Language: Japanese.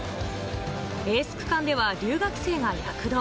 エース区間では留学生が躍動。